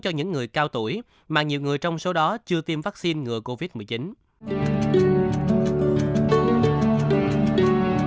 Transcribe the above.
cho những người cao tuổi mà nhiều người trong số đó chưa tiêm vaccine ngừa covid một mươi chín